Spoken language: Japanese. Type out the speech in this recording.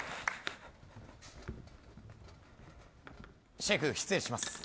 シェフ、失礼します。